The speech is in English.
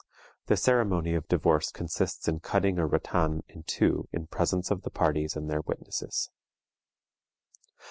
The ceremony of divorce consists in cutting a ratan in two in presence of the parties and their witnesses.